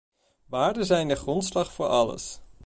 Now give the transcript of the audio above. Waarden zijn de grondslag voor alles.